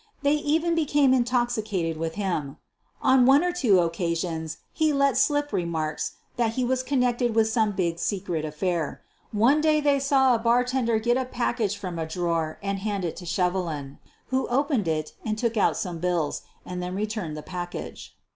They even became intoxicated with him. On one or two occasions he let slip re marks that he was connected with some big secret affair. One day they saw a bartender get a package from a drawer and hand it to Shevelin, who opened it and took out some bills, and then returned the package.